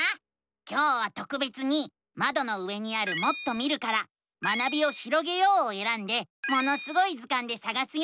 今日はとくべつにまどの上にある「もっと見る」から「学びをひろげよう」をえらんで「ものすごい図鑑」でさがすよ。